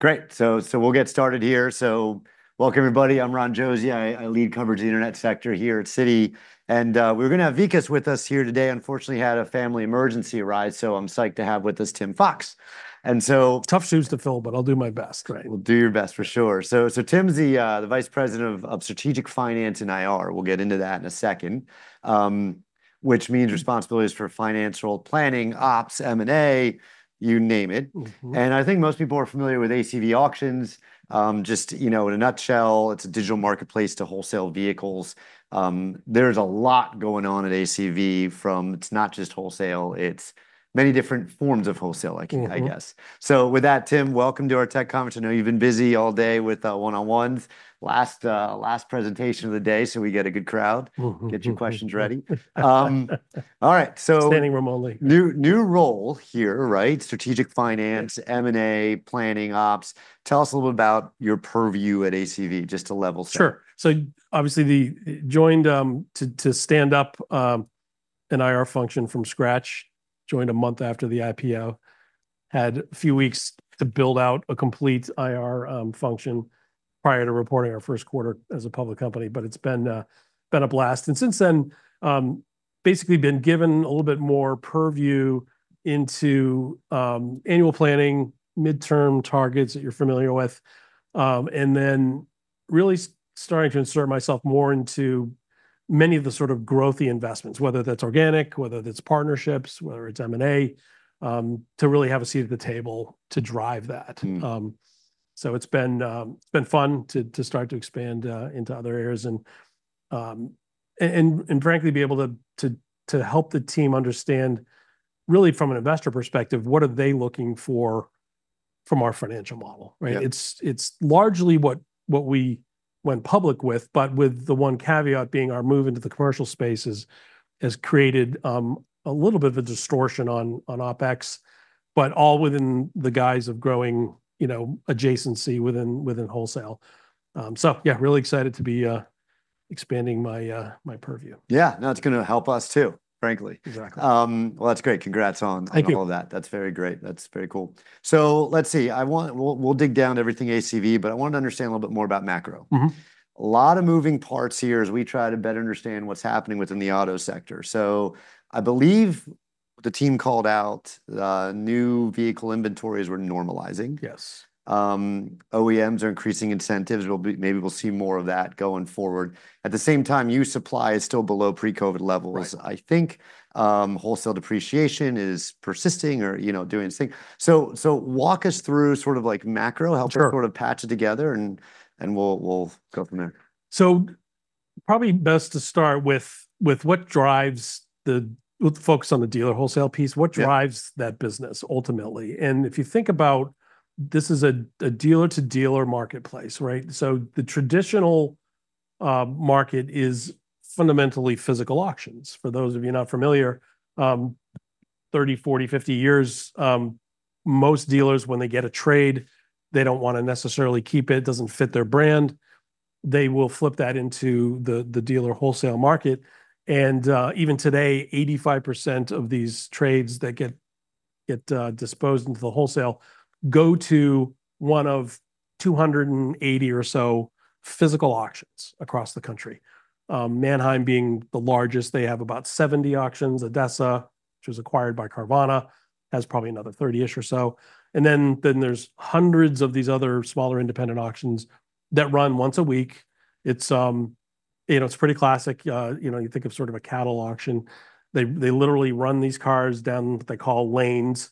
Great! So we'll get started here. Welcome, everybody. I'm Ron Josey. I lead coverage of the internet sector here at Citi, and we were gonna have Vikas with us here today. Unfortunately, he had a family emergency arise, so I'm psyched to have with us Tim Fox. And so- Tough shoes to fill, but I'll do my best. Great. Well, do your best, for sure. So Tim's the Vice President of Strategic Finance and IR. We'll get into that in a second. Which means responsibilities for financial planning, ops, M&A, you name it. I think most people are familiar with ACV Auctions. Just, you know, in a nutshell, it's a digital marketplace to wholesale vehicles. There's a lot going on at ACV. It's not just wholesale, it's many different forms of wholesale, I can, I guess. So with that, Tim, welcome to our tech conference. I know you've been busy all day with one-on-ones. Last presentation of the day, so we get a good crowd. Mm, mm, mm. Get your questions ready. All right, so- Standing room only. New role here, right? Strategic finance- Yeah... M&A, planning, ops. Tell us a little bit about your purview at ACV, just to level set? Sure, so obviously, I joined to stand up an IR function from scratch. Joined a month after the IPO. Had a few weeks to build out a complete IR function prior to reporting our first quarter as a public company, but it's been a blast. Since then, basically been given a little bit more purview into annual planning, midterm targets that you're familiar with, and then really starting to insert myself more into many of the sort of growth-y investments, whether that's organic, whether that's partnerships, whether it's M&A, to really have a seat at the table to drve that. It's been fun to start to expand into other areas and frankly be able to help the team understand, really from an investor perspective, what are they looking for from our financial model, right? Yeah. It's largely what we went public with, but with the one caveat being our move into the commercial space has created a little bit of a distortion on OpEx, but all within the guise of growing, you know, adjacency within wholesale. So yeah, really excited to be expanding my purview. Yeah. No, it's gonna help us too, frankly. Exactly. That's great. Congrats on- Thank you... on all of that. That's very great. That's very cool. So let's see, I want-- we'll dig down to everything ACV, but I want to understand a little bit more about macro. Mm-hmm. A lot of moving parts here as we try to better understand what's happening within the auto sector, so I believe the team called out new vehicle inventories were normalizing. Yes. OEMs are increasing incentives. Maybe we'll see more of that going forward. At the same time, used supply is still below pre-COVID levels. Right... I think, wholesale depreciation is persisting or, you know, doing its thing. So, walk us through sort of like macro- Sure... help sort of patch it together, and we'll go from there. Probably best to start with what drives the focus on the dealer wholesale piece. Yeah. What drives that business ultimately? And if you think about, this is a, a dealer-to-dealer marketplace, right? So the traditional market is fundamentally physical auctions. For those of you not familiar, thirty, forty, fifty years, most dealers, when they get a trade, they don't want to necessarily keep it, doesn't fit their brand, they will flip that into the, the dealer wholesale market. And even today, 85% of these trades that get disposed into the wholesale go to one of 280 or so physical auctions across the country. Manheim being the largest, they have about 70 auctions. ADESA, which was acquired by Carvana, has probably another 30-ish or so. And then there's hundreds of these other smaller, independent auctions that run once a week. It's, you know, it's pretty classic. You know, you think of sort of a cattle auction. They literally run these cars down what they call lanes,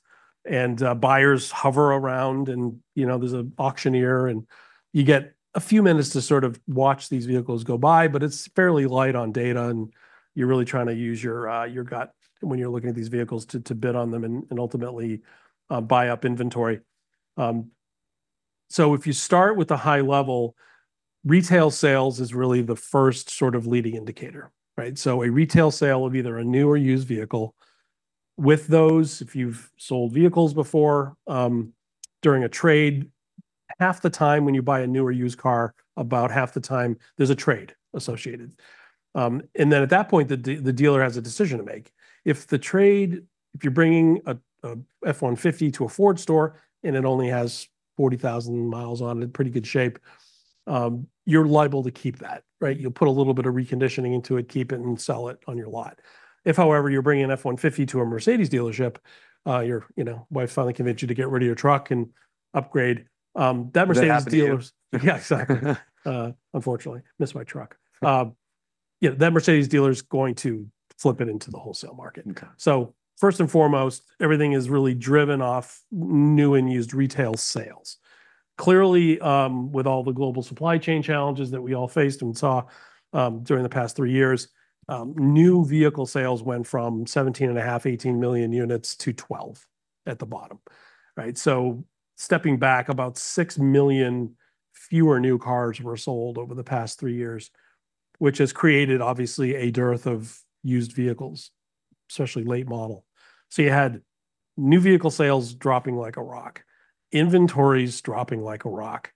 and buyers hover around, and you know, there's an auctioneer, and you get a few minutes to sort of watch these vehicles go by, but it's fairly light on data, and you're really trying to use your gut when you're looking at these vehicles to bid on them and ultimately buy up inventory. So if you start with the high level, retail sales is really the first sort of leading indicator, right? So a retail sale of either a new or used vehicle. With those, if you've sold vehicles before, during a trade, half the time when you buy a new or used car, about half the time there's a trade associated. And then at that point, the dealer has a decision to make. If you're bringing a F-150 to a Ford store, and it only has 40,000 miles on it, in pretty good shape, you're liable to keep that, right? You'll put a little bit of reconditioning into it, keep it, and sell it on your lot. If, however, you're bringing an F-150 to a Mercedes dealership, your, you know, wife finally convinced you to get rid of your truck and upgrade, that Mercedes dealer- That happened to you. Yeah, exactly. Unfortunately, miss my truck. Yeah, that Mercedes dealer is going to flip it into the wholesale market. Okay. So first and foremost, everything is really driven off new and used retail sales. Clearly, with all the global supply chain challenges that we all faced and saw, during the past three years, new vehicle sales went from seventeen and a half, eighteen million units to twelve at the bottom, right? So stepping back, about six million fewer new cars were sold over the past three years, which has created, obviously, a dearth of used vehicles, especially late model. So you had new vehicle sales dropping like a rock, inventories dropping like a rock,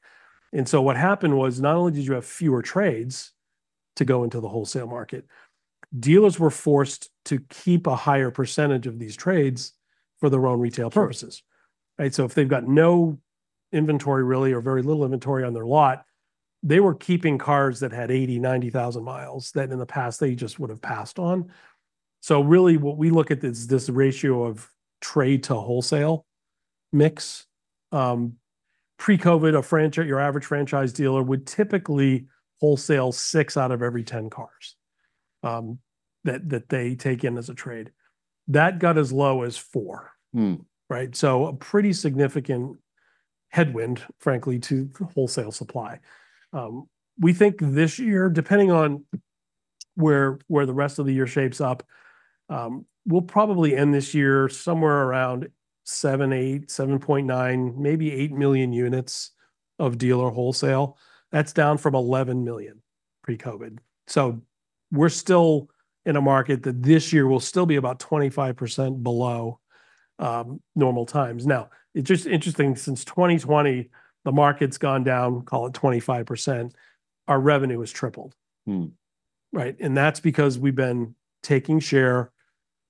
and so what happened was, not only did you have fewer trades to go into the wholesale market. Dealers were forced to keep a higher percentage of these trades for their own retail purposes, right? So if they've got no inventory really, or very little inventory on their lot, they were keeping cars that had eighty, ninety thousand miles, that in the past they just would have passed on. Really, what we look at is this ratio of trade-to-wholesale mix. Pre-COVID, your average franchise dealer would typically wholesale six out of every 10 cars, that, that they take in as a trade. That got as low as four. Hmm. Right? So a pretty significant headwind, frankly, to wholesale supply. We think this year, depending on where the rest of the year shapes up, we'll probably end this year somewhere around seven, eight, 7.9, maybe eight million units of dealer wholesale. That's down from 11 million pre-COVID. So we're still in a market that this year will still be about 25% below normal times. Now, it's just interesting, since 2020, the market's gone down, call it 25%. Our revenue has tripled. Hmm. Right, and that's because we've been taking share.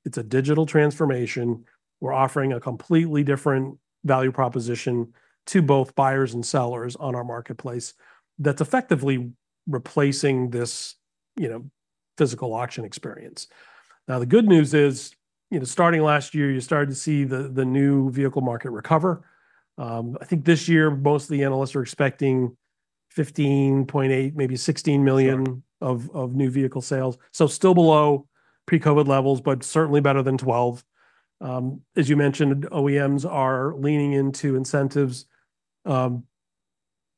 It's a digital transformation. We're offering a completely different value proposition to both buyers and sellers on our marketplace that's effectively replacing this, you know, physical auction experience. Now, the good news is, you know, starting last year, you started to see the new vehicle market recover. I think this year, most of the analysts are expecting 15.8, maybe 16 million- Sure... of new vehicle sales. So still below pre-COVID levels, but certainly better than twelve. As you mentioned, OEMs are leaning into incentives.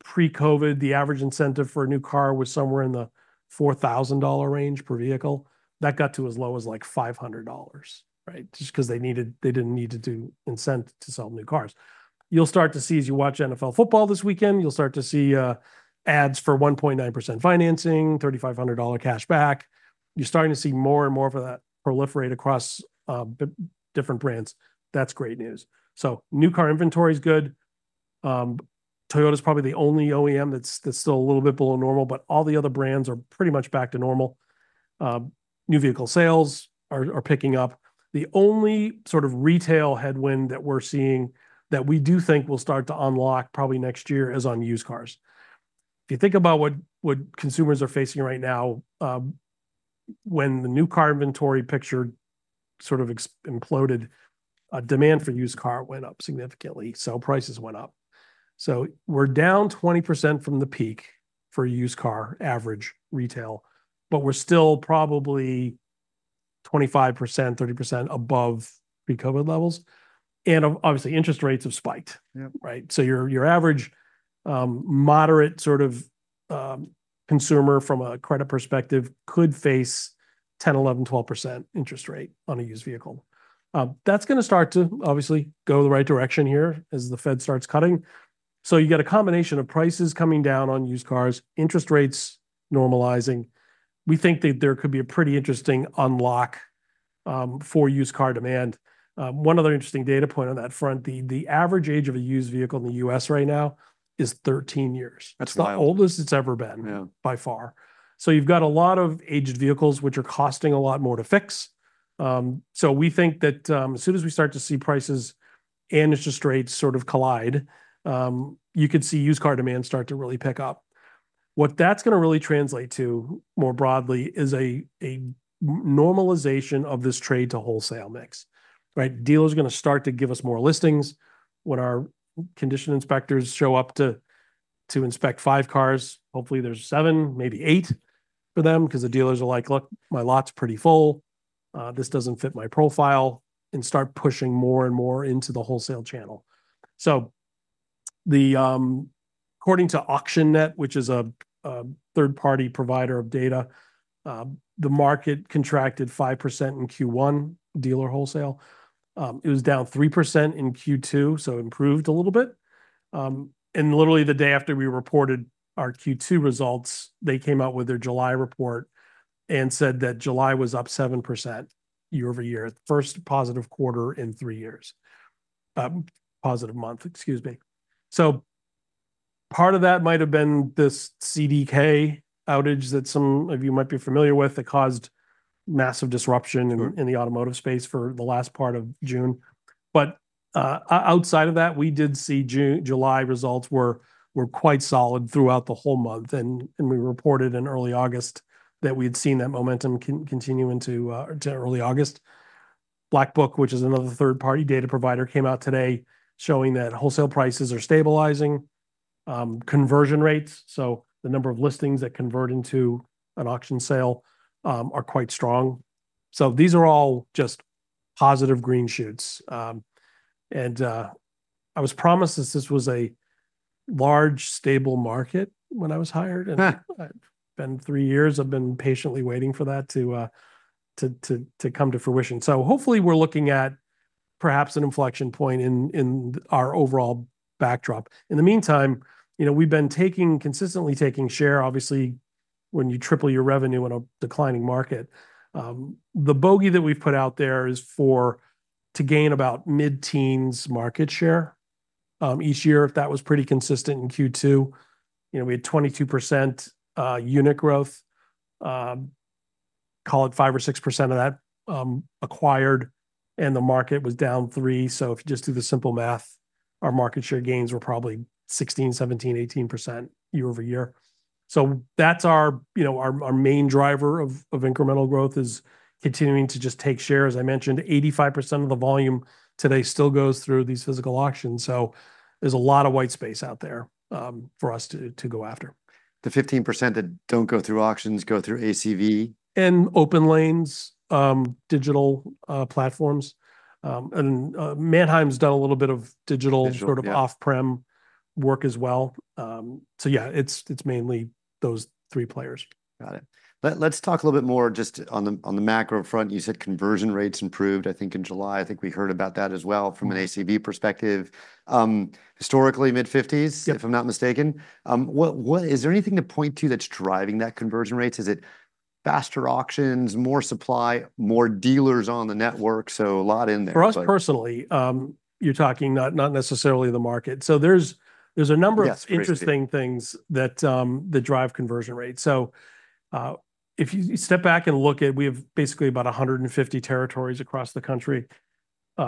Pre-COVID, the average incentive for a new car was somewhere in the $4,000 range per vehicle. That got to as low as, like, $500, right? Just because they needed- they didn't need to do incent to sell new cars. You'll start to see, as you watch NFL football this weekend, you'll start to see, ads for 1.9% financing, $3,500 cash back. You're starting to see more and more of that proliferate across, different brands. That's great news. So new car inventory is good. Toyota's probably the only OEM that's still a little bit below normal, but all the other brands are pretty much back to normal. New vehicle sales are picking up. The only sort of retail headwind that we're seeing that we do think will start to unlock probably next year is on used cars. If you think about what consumers are facing right now, when the new car inventory picture sort of exploded, demand for used car went up significantly, so prices went up. So we're down 20% from the peak for a used car average retail, but we're still probably 25%-30% above pre-COVID levels, and obviously interest rates have spiked. Yeah. Right? So your average, moderate sort of, consumer from a credit perspective could face 10%-12% interest rate on a used vehicle. That's gonna start to obviously go the right direction here as the Fed starts cutting. So you get a combination of prices coming down on used cars, interest rates normalizing. We think that there could be a pretty interesting unlock, for used car demand. One other interesting data point on that front, the average age of a used vehicle in the U.S. right now is 13 years. That's the oldest it's ever been- Yeah... by far. So you've got a lot of aged vehicles, which are costing a lot more to fix. So we think that as soon as we start to see prices and interest rates sort of collide, you could see used car demand start to really pick up. What that's gonna really translate to, more broadly, is a normalization of this trade to wholesale mix, right? Dealers are gonna start to give us more listings. When our condition inspectors show up to inspect five cars, hopefully there's seven, maybe eight for them, 'cause the dealers are like: "Look, my lot's pretty full, this doesn't fit my profile," and start pushing more and more into the wholesale channel. So according to AuctionNet, which is a third-party provider of data, the market contracted 5% in Q1, dealer wholesale. It was down 3% in Q2, so it improved a little bit. And literally, the day after we reported our Q2 results, they came out with their July report and said that July was up 7% year over year, the first positive quarter in three years. Positive month, excuse me. So part of that might have been this CDK outage that some of you might be familiar with, that caused massive disruption in the automotive space for the last part of June, but outside of that, we did see June-July results were quite solid throughout the whole month, and we reported in early August that we'd seen that momentum continue into early August. Black Book, which is another third-party data provider, came out today showing that wholesale prices are stabilizing. Conversion rates, so the number of listings that convert into an auction sale, are quite strong, so these are all just positive green shoots, and I was promised this, this was a large, stable market when I was hired, and it's been three years, I've been patiently waiting for that to come to fruition, so hopefully, we're looking at perhaps an inflection point in our overall backdrop. In the meantime, you know, we've been taking, consistently taking share. Obviously, when you triple your revenue in a declining market, the bogey that we've put out there is to gain about mid-teens market share each year, if that was pretty consistent in Q2. You know, we had 22% unit growth, call it 5% or 6% of that acquired, and the market was down 3%. So if you just do the simple math, our market share gains were probably 16, 17, 18% year over year. So that's our, you know, our main driver of incremental growth is continuing to just take share. As I mentioned, 85% of the volume today still goes through these physical auctions, so there's a lot of white space out there for us to go after. The 15% that don't go through auctions go through ACV? And OPENLANE digital platforms. And Manheim's done a little bit of digital- Digital, yeah... sort of off-prem work as well. So yeah, it's, it's mainly those three players. Got it. Let's talk a little bit more just on the macro front. You said conversion rates improved, I think, in July. I think we heard about that as well from an ACV perspective. Historically mid-50s- Yeah... if I'm not mistaken. What is there anything to point to that's driving that conversion rates? Is it faster auctions, more supply, more dealers on the network? So a lot in there, but- For us personally, you're talking not necessarily the market. So there's a number of- Yes, great... interesting things that drive conversion rates. So, if you step back and look at, we have basically about 150 territories across the country,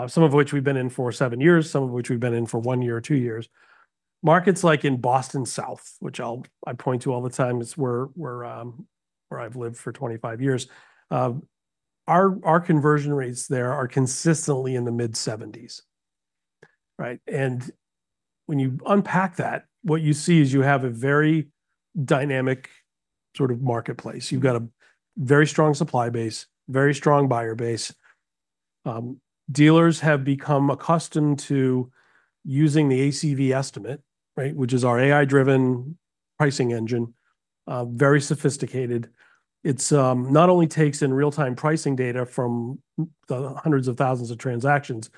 some of which we've been in for seven years, some of which we've been in for one year or two years. Markets like in Boston South, which I point to all the time, is where I've lived for 25 years. Our conversion rates there are consistently in the mid-70s, right? And when you unpack that, what you see is you have a very dynamic sort of marketplace. You've got a very strong supply base, very strong buyer base. Dealers have become accustomed to using the ACV estimate, right, which is our AI-driven pricing engine. Very sophisticated. It not only takes in real-time pricing data from the hundreds of thousands of transactions,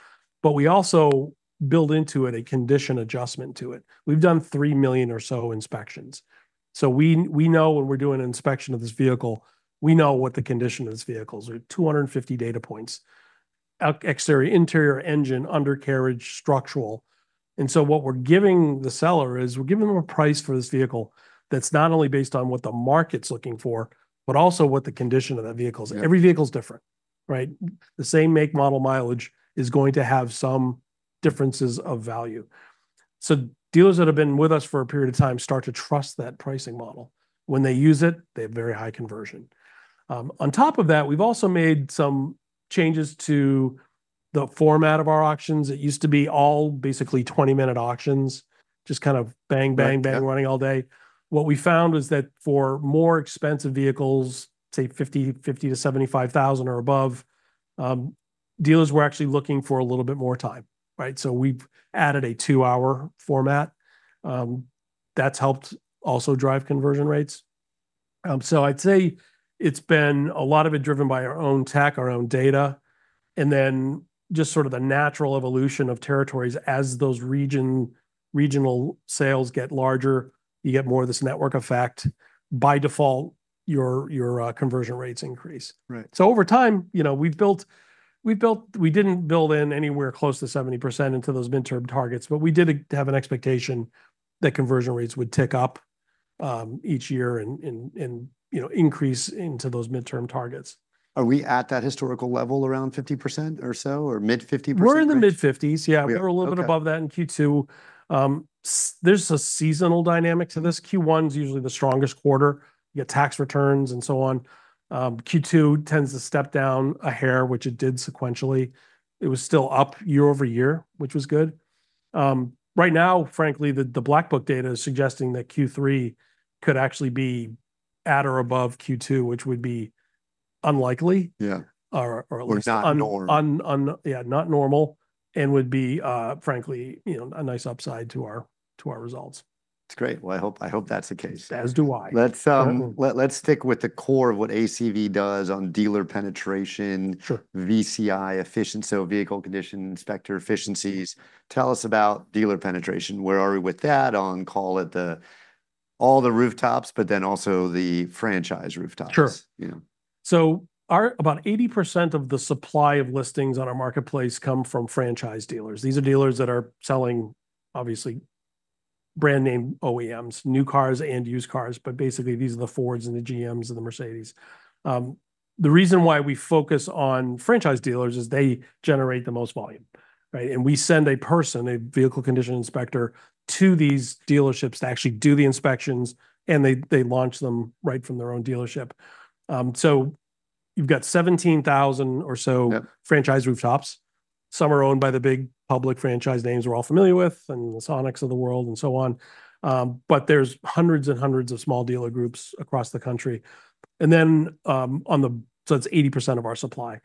but we also build into it a condition adjustment to it. We've done three million or so inspections, so we know when we're doing an inspection of this vehicle, we know what the condition of this vehicle is. There are 250 data points, exterior, interior, engine, undercarriage, structural. And so what we're giving the seller is, we're giving them a price for this vehicle that's not only based on what the market's looking for, but also what the condition of that vehicle is. Yeah. Every vehicle is different, right? The same make, model, mileage is going to have some differences of value. So dealers that have been with us for a period of time start to trust that pricing model. When they use it, they have very high conversion. On top of that, we've also made some changes to the format of our auctions. It used to be all basically 20-minute auctions, just kind of bang, bang, bang- Yeah... running all day. What we found was that for more expensive vehicles, say $50,000-$75,000 or above, dealers were actually looking for a little bit more time, right? So we've added a two-hour format. That's helped also drive conversion rates. So I'd say it's been a lot of it driven by our own tech, our own data, and then just sort of the natural evolution of territories. As those regional sales get larger, you get more of this network effect. By default, your conversion rates increase. Right. Over time, you know, we've built. We didn't build in anywhere close to 70% into those midterm targets, but we did have an expectation that conversion rates would tick up each year and, you know, increase into those midterm targets. Are we at that historical level, around 50% or so, or mid-50%? We're in the mid-50s, yeah. We are, okay. We were a little bit above that in Q2. There's a seasonal dynamic to this. Q1 is usually the strongest quarter, you get tax returns and so on. Q2 tends to step down a hair, which it did sequentially. It was still up year over year, which was good. Right now, frankly, the Black Book data is suggesting that Q3 could actually be at or above Q2, which would be unlikely. Yeah... or at least- Or not normal.... yeah, not normal, and would be, frankly, you know, a nice upside to our results. That's great. Well, I hope, I hope that's the case. As do I. Let's, um- Yeah... let's stick with the core of what ACV does on dealer penetration- Sure... VCI efficiency, so vehicle condition inspector efficiencies. Tell us about dealer penetration. Where are we with that on, call it, all the rooftops, but then also the franchise rooftops? Sure. Yeah. About 80% of the supply of listings on our marketplace come from franchise dealers. These are dealers that are selling, obviously, brand-name OEMs, new cars and used cars, but basically, these are the Fords and the GMs and the Mercedes. The reason why we focus on franchise dealers is they generate the most volume, right? And we send a person, a vehicle condition inspector, to these dealerships to actually do the inspections, and they, they launch them right from their own dealership. So you've got 17,000 or so- Yeah ...franchise rooftops. Some are owned by the big public franchise names we're all familiar with, and the Sonic of the world, and so on. But there's hundreds and hundreds of small dealer groups across the country. So that's 80% of our supply.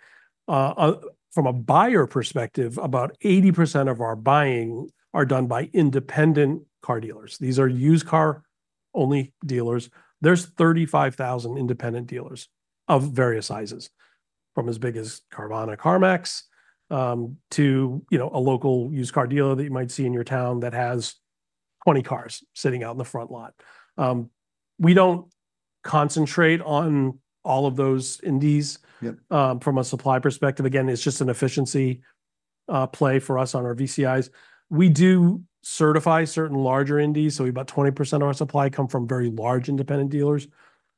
From a buyer perspective, about 80% of our buying are done by independent car dealers. These are used car-only dealers. There's 35,000 independent dealers of various sizes, from as big as Carvana, CarMax, to, you know, a local used car dealer that you might see in your town that has 20 cars sitting out in the front lot. We don't concentrate on all of those indies- Yep. from a supply perspective. Again, it's just an efficiency play for us on our VCIs. We do certify certain larger indies, so about 20% of our supply come from very large independent dealers.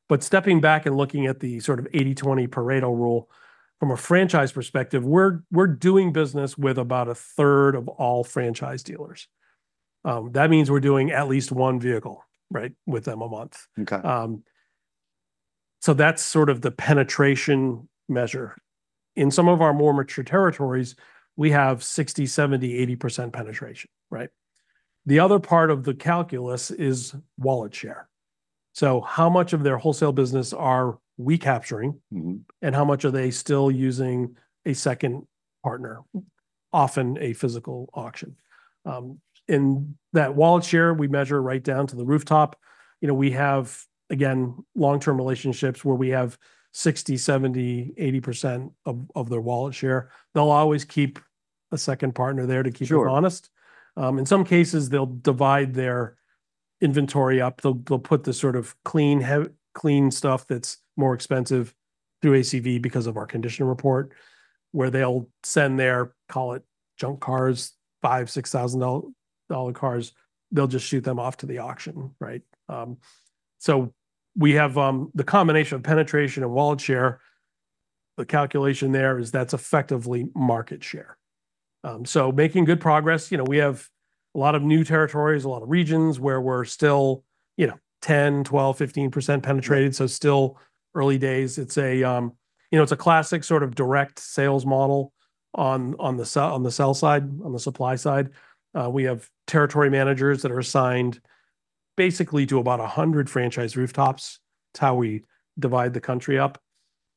But stepping back and looking at the sort of 80/20 Pareto rule, from a franchise perspective, we're doing business with about a third of all franchise dealers. That means we're doing at least one vehicle, right, with them a month. Okay. So that's sort of the penetration measure. In some of our more mature territories, we have 60%, 70%, 80% penetration, right? The other part of the calculus is wallet share. So how much of their wholesale business are we capturing. And how much are they still using a second partner, often a physical auction? In that wallet share, we measure right down to the rooftop. You know, we have, again, long-term relationships where we have 60%, 70%, 80% of their wallet share. They'll always keep a second partner there to keep them honest. Sure. In some cases, they'll divide their inventory up. They'll put the sort of clean stuff that's more expensive through ACV because of our condition report, where they'll send their, call it, junk cars, $5,000, $6,000 cars, they'll just shoot them off to the auction, right? So we have the combination of penetration and wallet share, the calculation there is that's effectively market share. So making good progress. You know, we have a lot of new territories, a lot of regions where we're still, you know, 10%, 12%, 15% penetrated, so still early days. It's a you know, it's a classic sort of direct sales model on the sell side, on the supply side. We have territory managers that are assigned basically to about 100 franchise rooftops. It's how we divide the country up.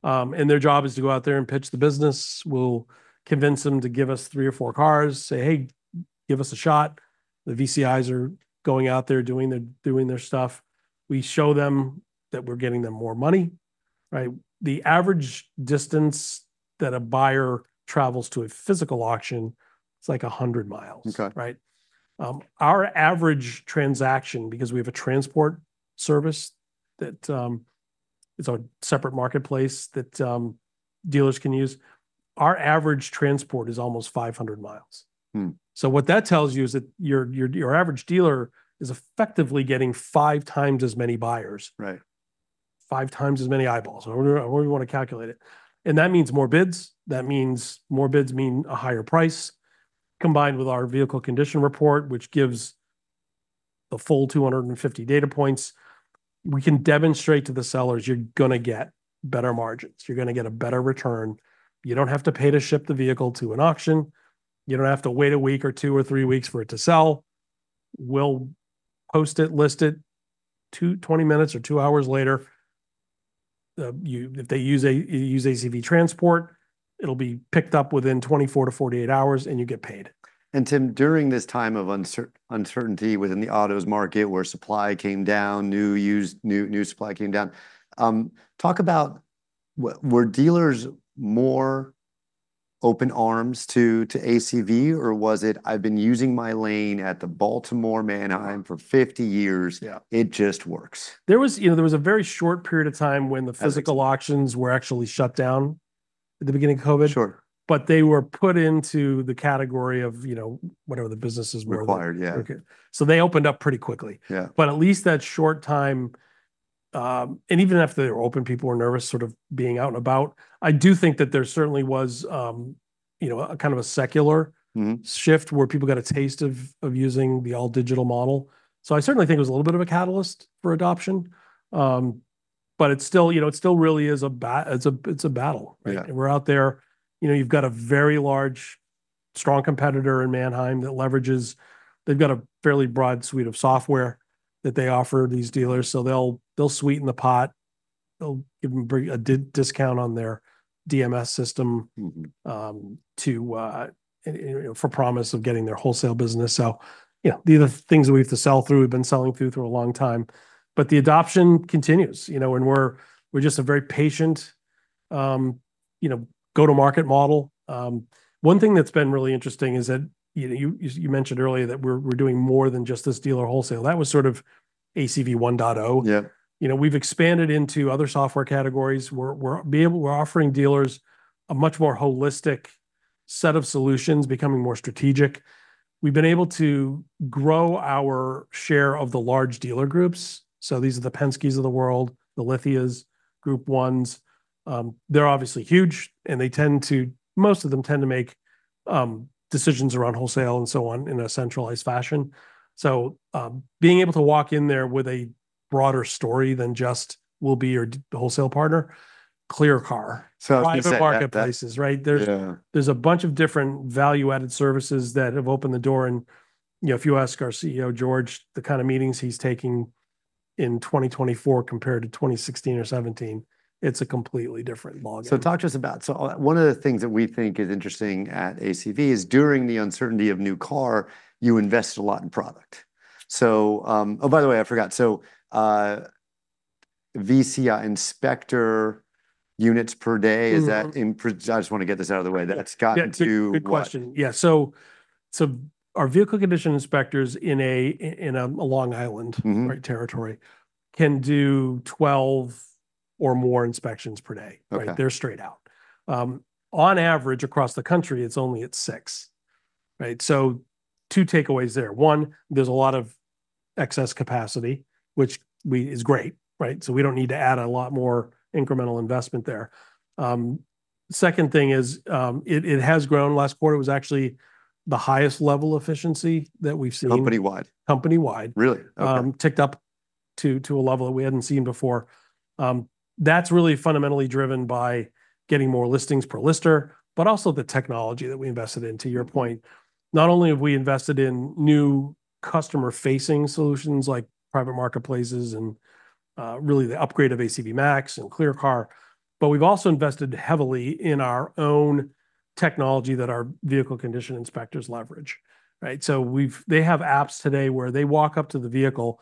And their job is to go out there and pitch the business. We'll convince them to give us three or four cars, say, "Hey, give us a shot." The VCIs are going out there, doing their stuff. We show them that we're getting them more money, right? The average distance that a buyer travels to a physical auction, it's like 100 miles. Okay. Right? Our average transaction, because we have a transport service that, it's a separate marketplace that, dealers can use, our average transport is almost 500 miles. Hmm. So what that tells you is that your average dealer is effectively getting five times as many buyers. Right. Five times as many eyeballs, however you want to calculate it. That means more bids. That means more bids mean a higher price. Combined with our vehicle condition report, which gives the full 250 data points, we can demonstrate to the sellers, "You're going to get better margins. You're going to get a better return. You don't have to pay to ship the vehicle to an auction. You don't have to wait a week or two or three weeks for it to sell. We'll post it, list it. Two to 20 minutes or two hours later, you-" If they use ACV Transport, it'll be picked up within 24-48 hours, and you get paid. Tim, during this time of uncertainty within the autos market, where supply came down, new used supply came down, talk about, were dealers more open arms to ACV, or was it, "I've been using my lane at the Baltimore Manheim for 50 years- Yeah. It just works? There was, you know, there was a very short period of time when the- I see... physical auctions were actually shut down at the beginning of COVID. Sure. But they were put into the category of, you know, whatever the businesses were- Required, yeah. So they opened up pretty quickly. Yeah. But at least that short time and even after they were open, people were nervous sort of being out and about. I do think that there certainly was, you know, a kind of a secular- Mm-hmm -shift, where people got a taste of using the all-digital model. So I certainly think it was a little bit of a catalyst for adoption. But it's still, you know, it still really is a battle. Yeah. We're out there, you know, you've got a very large, strong competitor in Manheim that leverages. They've got a fairly broad suite of software that they offer these dealers, so they'll sweeten the pot. They'll give them a discount on their DMS system to, you know, for promise of getting their wholesale business. So, you know, these are things that we have to sell through, we've been selling through for a long time. But the adoption continues, you know, and we're just a very patient, you know, go-to-market model. One thing that's been really interesting is that, you know, you mentioned earlier that we're doing more than just this dealer wholesale. That was sort of ACV 1.0. Yeah. You know, we've expanded into other software categories. We're offering dealers a much more holistic set of solutions, becoming more strategic. We've been able to grow our share of the large dealer groups. So these are the Penskes of the world, the Lithias, Group 1s. They're obviously huge, and most of them tend to make decisions around wholesale and so on in a centralized fashion. So, being able to walk in there with a broader story than just, "We'll be your wholesale partner," ClearCar. So- Private marketplaces, right? Yeah. There's a bunch of different value-added services that have opened the door. And, you know, if you ask our CEO, George, the kind of meetings he's taking in 2024 compared to 2016 or 2017, it's a completely different ballgame. So one of the things that we think is interesting at ACV is, during the uncertainty of new car, you invested a lot in product. Oh, by the way, I forgot. So, VCI inspector units per day? Mm-hmm. I just want to get this out of the way. That's gotten to what? Yeah, good, good question. Yeah, so our vehicle condition inspectors in Long Island- Mm-hmm territory can do 12 or more inspections per day. Okay. Right? They're straight out. On average, across the country, it's only at six, right? So two takeaways there. One, there's a lot of excess capacity, which is great, right? So we don't need to add a lot more incremental investment there. Second thing is, it has grown. Last quarter, it was actually the highest level efficiency that we've seen. Company-wide? Company-wide. Really? Okay. Ticked up to a level that we hadn't seen before. That's really fundamentally driven by getting more listings per lister, but also the technology that we invested in, to your point. Not only have we invested in new customer-facing solutions, like private marketplaces and really the upgrade of ACV MAX and ClearCar, but we've also invested heavily in our own technology that our vehicle condition inspectors leverage, right? So they have apps today where they walk up to the vehicle,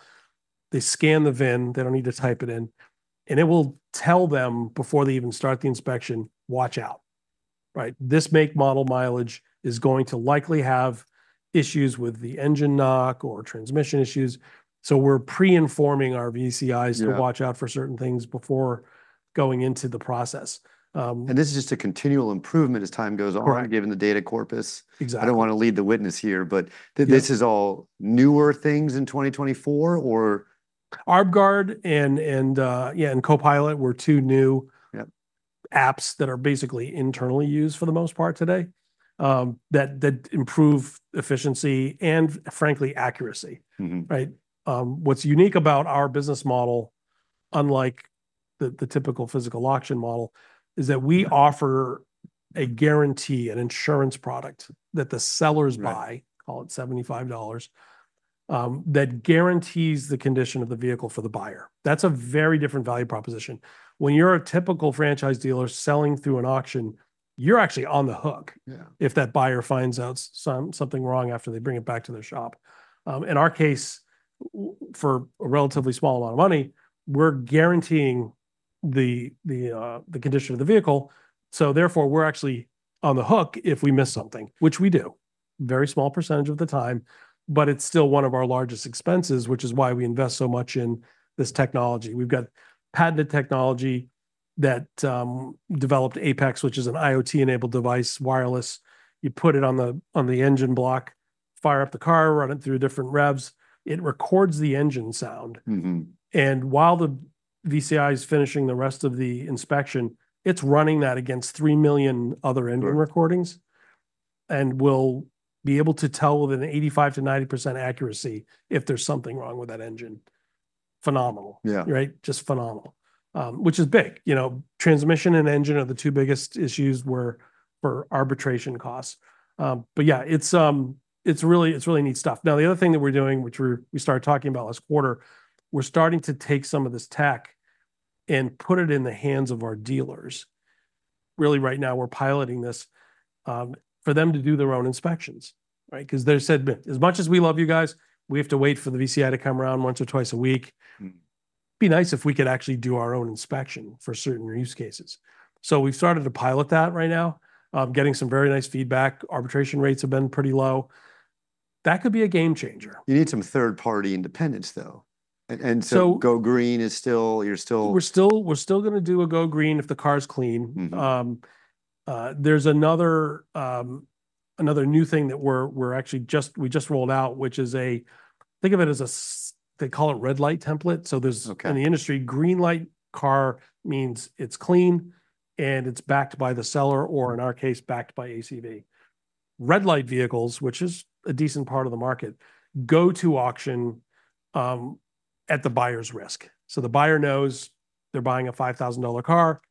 they scan the VIN, they don't need to type it in, and it will tell them before they even start the inspection, "Watch out," right? "This make, model, mileage is going to likely have issues with the engine knock or transmission issues." So we're pre-informing our VCIs. Yeah... to watch out for certain things before going into the process. This is just a continual improvement as time goes on. Right... given the data corpus. Exactly. I don't want to lead the witness here, but- Yeah... this is all newer things in 2024, or? ArbGuard and Copilot were two new- Yeah... apps that are basically internally used for the most part today, that improve efficiency and frankly, accuracy. Mm-hmm. Right? What's unique about our business model, unlike the typical physical auction model, is that we offer a guarantee, an insurance product that the sellers buy- Right... call it $75, that guarantees the condition of the vehicle for the buyer. That's a very different value proposition. When you're a typical franchise dealer selling through an auction, you're actually on the hook- Yeah... if that buyer finds out something wrong after they bring it back to their shop. In our case, for a relatively small amount of money, we're guaranteeing the condition of the vehicle, so therefore, we're actually on the hook if we miss something, which we do. Very small percentage of the time, but it's still one of our largest expenses, which is why we invest so much in this technology. We've got patented technology that developed APEX, which is an IoT-enabled device, wireless. You put it on the engine block, fire up the car, run it through different revs. It records the engine sound. Mm-hmm. While the VCI is finishing the rest of the inspection, it's running that against three million other engine recordings. Right... and will be able to tell within 85%-90% accuracy if there's something wrong with that engine. Phenomenal. Yeah. Right? Just phenomenal. Which is big. You know, transmission and engine are the two biggest issues for arbitration costs. But yeah, it's really, it's really neat stuff. Now, the other thing that we're doing, which we started talking about last quarter, we're starting to take some of this tech and put it in the hands of our dealers. Really right now, we're piloting this for them to do their own inspections, right? 'Cause they said, "As much as we love you guys, we have to wait for the VCI to come around once or twice a week. Mm. Be nice if we could actually do our own inspection for certain use cases." So we've started to pilot that right now. Getting some very nice feedback. Arbitration rates have been pretty low. That could be a game changer. You need some third-party independence, though, and so- So-… Go Green is still, you're still- We're still gonna do a Go Green if the car is clean. Mm-hmm. There's another new thing that we actually just rolled out, which is a. Think of it as a. They call it Red Light template. So there's- Okay... in the Green Light car means it's clean, and it's backed by the seller, or in our case, backed by ACV. Red Light vehicles, which is a decent part of the market, go to auction, at the buyer's risk. So the buyer knows they're buying a $5,000 car,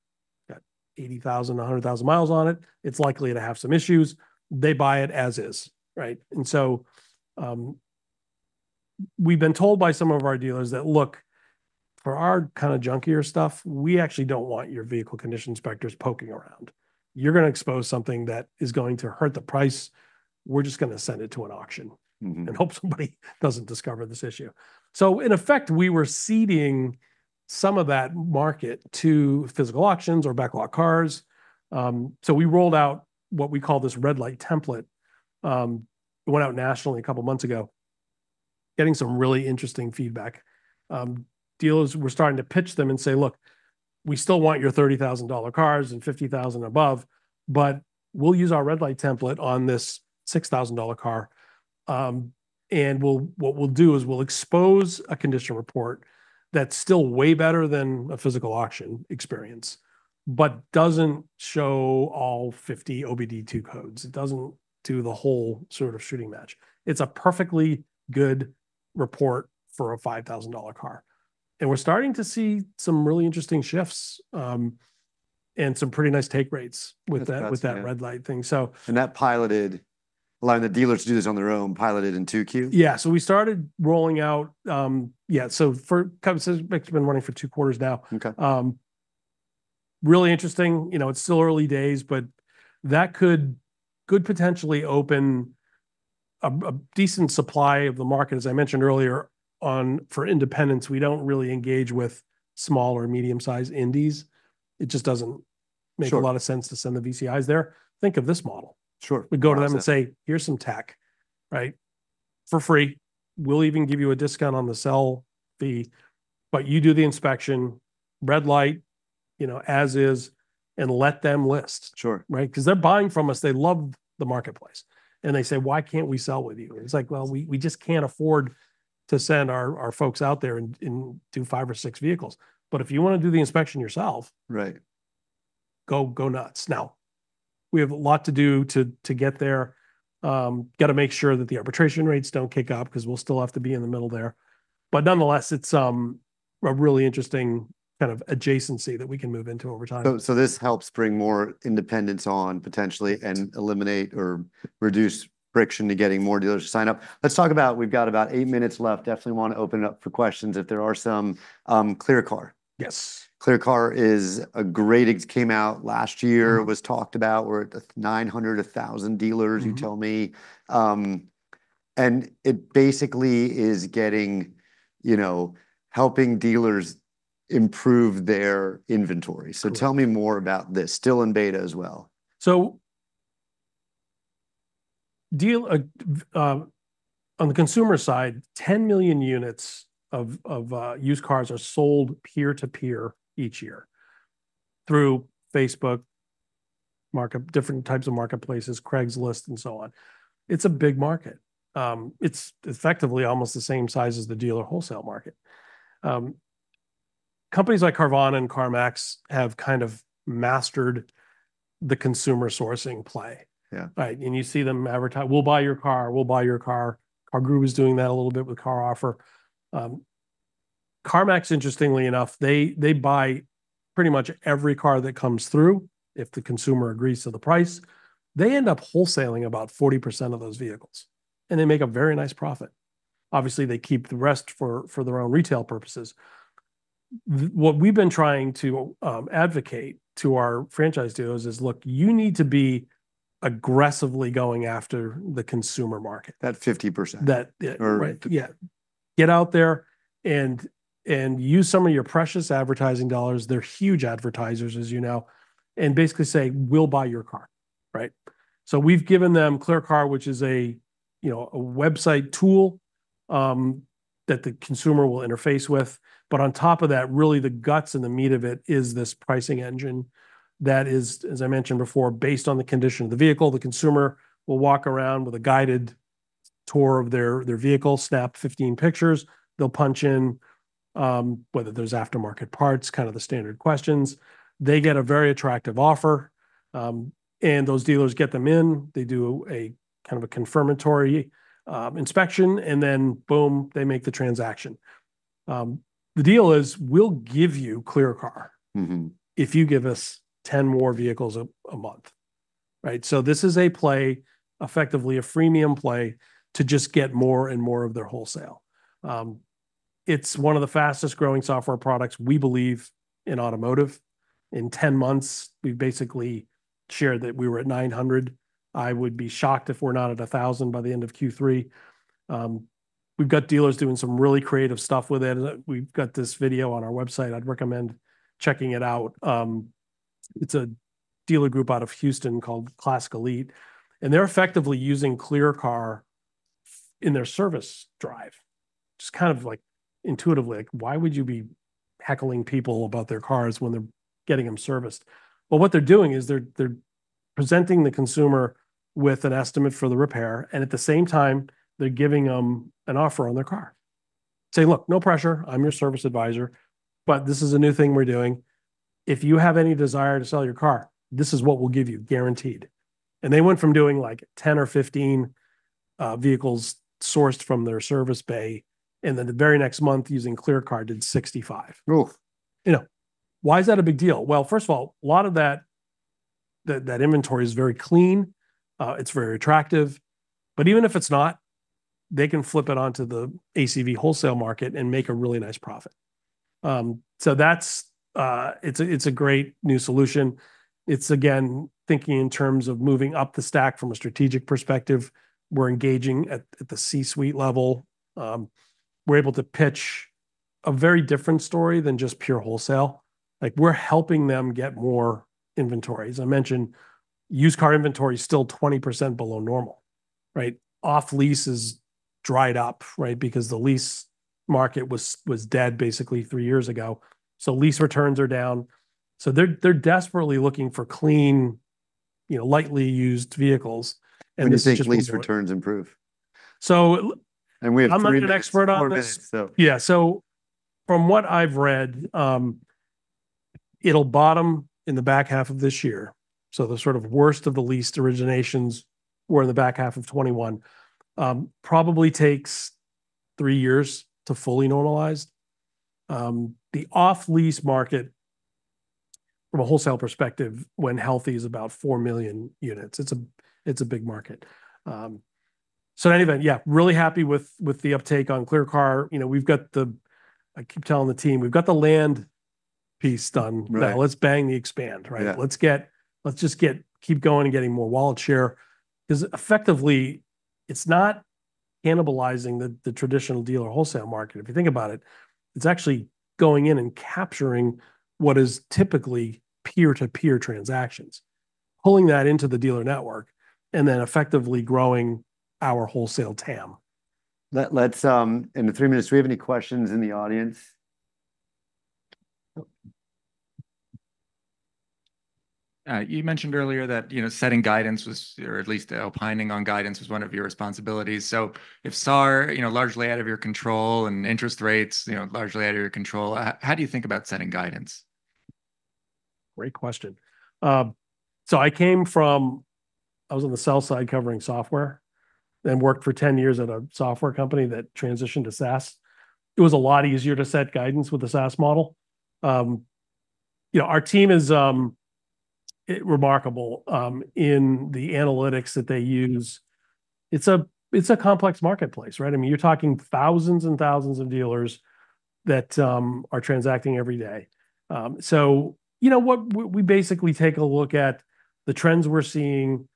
got 80,000, 100,000 miles on it. It's likely to have some issues. They buy it as is, right? And so, we've been told by some of our dealers that, "Look, for our kind of junkier stuff, we actually don't want your vehicle condition inspectors poking around. You're gonna expose something that is going to hurt the price. We're just gonna send it to an auction- Mm-hmm... and hope somebody doesn't discover this issue." So in effect, we were ceding some of that market to physical auctions or backlot cars. So we rolled out what we call this Red Light template. It went out nationally a couple of months ago. Getting some really interesting feedback. Dealers, we're starting to pitch them and say, "Look, we still want your $30,000 cars and $50,000 above, but we'll use our Red Light template on this $6,000 car. And what we'll do is we'll expose a condition report that's still way better than a physical auction experience, but doesn't show all 50 OBD2 codes. It doesn't do the whole sort of shooting match." It's a perfectly good report for a $5,000 car. And we're starting to see some really interesting shifts, and some pretty nice take rates with that. That's-... with that Red Light thing, so- That piloted, allowing the dealers to do this on their own, piloted in 2Q? Yeah, so we started rolling out, yeah, so for, kind of it's been running for two quarters now. Okay. Really interesting. You know, it's still early days, but that could potentially open a decent supply of the market, as I mentioned earlier, for independents, we don't really engage with small or medium-sized indies. It just doesn't- Sure... Make a lot of sense to send the VCIs there. Think of this model. Sure. We go to them and say, "Here's some tech," right? "For free. We'll even give you a discount on the sell fee, but you do the inspection, Red Light, you know, as is, and let them list. Sure. Right? 'Cause they're buying from us. They love the marketplace, and they say: "Why can't we sell with you?" It's like, well, we just can't afford to send our folks out there and do five or six vehicles. But if you want to do the inspection yourself- Right... go nuts. Now, we have a lot to do to get there. Got to make sure that the arbitration rates don't kick up, 'cause we'll still have to be in the middle there. But nonetheless, it's a really interesting kind of adjacency that we can move into over time. So, so this helps bring more independents on, potentially, and eliminate or reduce friction to getting more dealers to sign up. Let's talk about... We've got about eight minutes left. Definitely want to open it up for questions if there are some. ClearCar. Yes. ClearCar is a great. It came out last year, it was talked about, we're at 900-1,000 dealers. Mm-hmm... you tell me. And it basically is getting, you know, helping dealers improve their inventory. Sure. So tell me more about this. Still in beta as well. On the consumer side, 10 million units of used cars are sold peer-to-peer each year through Facebook Marketplace, different types of marketplaces, Craigslist, and so on. It's a big market. It's effectively almost the same size as the dealer wholesale market. Companies like Carvana and CarMax have kind of mastered the consumer sourcing play. Yeah. Right. And you see them advertise: "We'll buy your car. We'll buy your car." CarGurus is doing that a little bit with CarOffer. CarMax, interestingly enough, they buy pretty much every car that comes through, if the consumer agrees to the price. They end up wholesaling about 40% of those vehicles, and they make a very nice profit. Obviously, they keep the rest for their own retail purposes. What we've been trying to advocate to our franchise dealers is, "Look, you need to be aggressively going after the consumer market. That 50%. That, yeah. Or- Right, yeah. Get out there and use some of your precious advertising dollars, they're huge advertisers, as you know, and basically say: "We'll buy your car," right? So we've given them ClearCar, which is a, you know, a website tool that the consumer will interface with. But on top of that, really the guts and the meat of it is this pricing engine that is, as I mentioned before, based on the condition of the vehicle. The consumer will walk around with a guided tour of their vehicle, snap 15 pictures. They'll punch in whether there's aftermarket parts, kind of the standard questions. They get a very attractive offer, and those dealers get them in, they do a kind of a confirmatory inspection, and then, boom, they make the transaction. The deal is: we'll give you ClearCar if you give us 10 more vehicles a month, right? So this is a play, effectively a freemium play, to just get more and more of their wholesale. It's one of the fastest growing software products, we believe, in automotive. In 10 months, we've basically shared that we were at 900. I would be shocked if we're not at 1,000 by the end of Q3. We've got dealers doing some really creative stuff with it. We've got this video on our website. I'd recommend checking it out. It's a dealer group out of Houston called Classic Elite, and they're effectively using ClearCar in their service drive. Just kind of like, intuitively, like, why would you be heckling people about their cars when they're getting them serviced? But what they're doing is they're presenting the consumer with an estimate for the repair, and at the same time, they're giving them an offer on their car. Say: "Look, no pressure, I'm your service advisor, but this is a new thing we're doing. If you have any desire to sell your car, this is what we'll give you, guaranteed." And they went from doing, like, 10 or 15 vehicles sourced from their service bay, and then the very next month, using ClearCar, did 65. Oof! You know, why is that a big deal? Well, first of all, a lot of that inventory is very clean, it's very attractive, but even if it's not, they can flip it on to the ACV wholesale market and make a really nice profit. So that's a great new solution. It's, again, thinking in terms of moving up the stack from a strategic perspective. We're engaging at the C-suite level. We're able to pitch a very different story than just pure wholesale. Like, we're helping them get more inventory. As I mentioned, used car inventory is still 20% below normal, right? Off lease is dried up, right? Because the lease market was dead basically three years ago, so lease returns are down. So they're desperately looking for clean, you know, lightly used vehicles, and this should- When do you think lease returns improve? So l- We have three- I'm not an expert on this. Four minutes, so. Yeah, so from what I've read, it'll bottom in the back half of this year. So the sort of worst of the lease originations were in the back half of 2021. Probably takes three years to fully normalize. The off-lease market, from a wholesale perspective, when healthy, is about four million units. It's a big market. So in any event, yeah, really happy with the uptake on ClearCar. You know, we've got the... I keep telling the team, "We've got the land-... piece done. Right. Now let's bang the expand, right? Yeah. Let's just keep going and getting more wallet share. 'Cause effectively, it's not cannibalizing the traditional dealer wholesale market. If you think about it, it's actually going in and capturing what is typically peer-to-peer transactions, pulling that into the dealer network, and then effectively growing our wholesale TAM. Let's, in the three minutes, do we have any questions in the audience? Nope. You mentioned earlier that, you know, setting guidance was, or at least opining on guidance, was one of your responsibilities. So if SAAR, you know, largely out of your control, and interest rates, you know, largely out of your control, how do you think about setting guidance? Great question. So I was on the sell side, covering software, then worked for 10 years at a software company that transitioned to SaaS. It was a lot easier to set guidance with the SaaS model. You know, our team is remarkable in the analytics that they use. It's a complex marketplace, right? I mean, you're talking thousands and thousands of dealers that are transacting every day. So you know what? We basically take a look at the trends we're seeing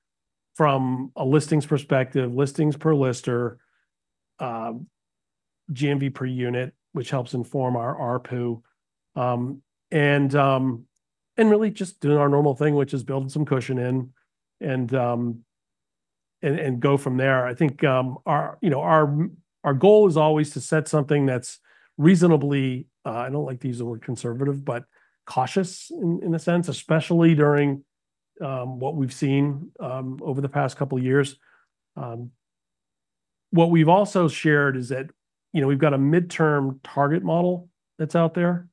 from a listings perspective, listings per lister, GMV per unit, which helps inform our ARPU, and really just doing our normal thing, which is building some cushion in and go from there. I think, you know, our goal is always to set something that's reasonably I don't like to use the word conservative, but cautious in a sense, especially during what we've seen over the past couple of years. What we've also shared is that, you know, we've got a midterm target model that's out there,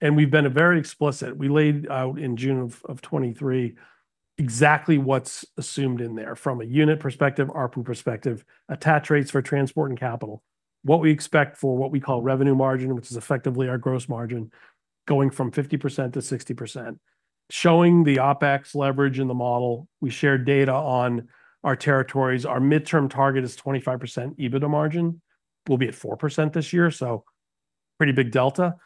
and we've been very explicit. We laid out in June of 2023 exactly what's assumed in there from a unit perspective, ARPU perspective, attach rates for transport and capital, what we expect for what we call revenue margin, which is effectively our gross margin, going from 50% to 60%. Showing the OpEx leverage in the model, we shared data on our territories. Our midterm target is 25% EBITDA margin. We'll be at 4% this year, so pretty big delta.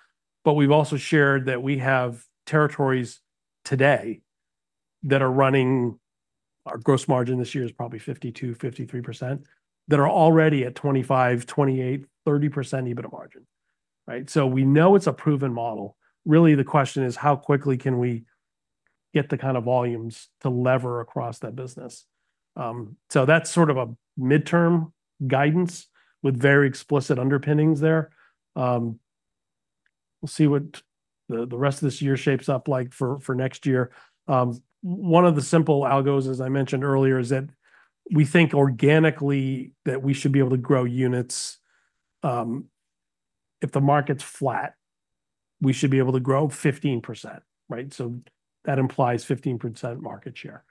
But we've also shared that we have territories today that are running our gross margin this year is probably 52-53%, that are already at 25, 28, 30% EBITDA margin, right? So we know it's a proven model. Really, the question is: how quickly can we get the kind of volumes to lever across that business? So that's sort of a midterm guidance with very explicit underpinnings there. We'll see what the rest of this year shapes up like for next year. One of the simple algos, as I mentioned earlier, is that we think organically that we should be able to grow units. If the market's flat, we should be able to grow 15%, right? So that implies 15% market share.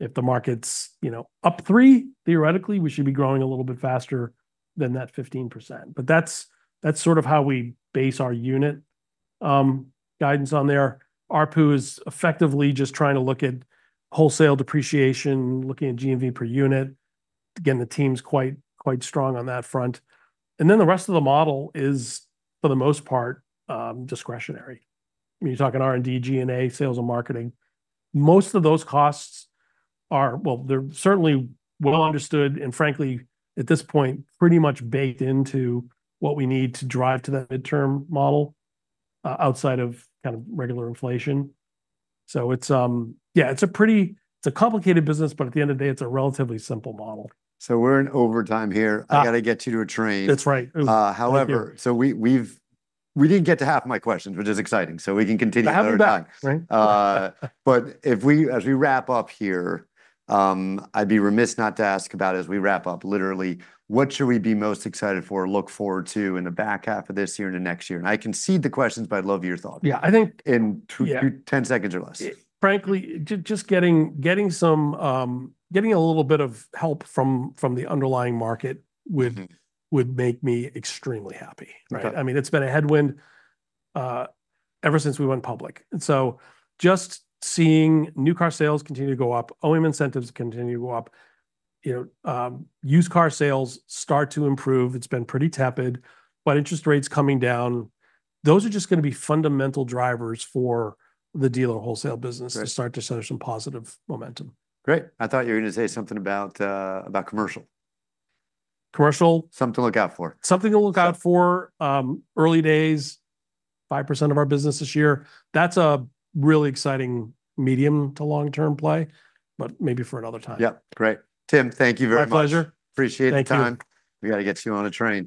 If the market's, you know, up 3%, theoretically, we should be growing a little bit faster than that 15%. But that's sort of how we base our unit guidance on there. ARPU is effectively just trying to look at wholesale depreciation, looking at GMV per unit. Again, the team's quite strong on that front. And then the rest of the model is, for the most part, discretionary. You're talking R&D, G&A, sales, and marketing. Most of those costs are, well, they're certainly well understood, and frankly, at this point, pretty much baked into what we need to drive to that midterm model, outside of kind of regular inflation. So it's, yeah, it's a pretty complicated business, but at the end of the day, it's a relatively simple model. So we're in overtime here. Ah. I've got to get you to a train. That's right. Uh, however- Yeah... so we didn't get to half my questions, which is exciting, so we can continue another time. I'll be back, right? But as we wrap up here, I'd be remiss not to ask about, as we wrap up, literally, what should we be most excited for or look forward to in the back half of this year and the next year? And I can seed the questions, but I'd love your thought. Yeah, I think- In two- Yeah... 10 seconds or less. Frankly, just getting a little bit of help from the underlying market would. Mm-hmm... would make me extremely happy, right? Okay. I mean, it's been a headwind ever since we went public, and so just seeing new car sales continue to go up, OEM incentives continue to go up, you know, used car sales start to improve, it's been pretty tepid, but interest rates coming down, those are just going to be fundamental drivers for the dealer wholesale business. Right... to start to show some positive momentum. Great. I thought you were going to say something about commercial. Commercial? Something to look out for. Something to look out for. Yeah. Early days, 5% of our business this year. That's a really exciting medium to long-term play, but maybe for another time. Yeah. Great. Tim, thank you very much. My pleasure. Appreciate your time. Thank you. We've got to get you on a train.